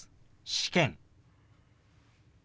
「試験」。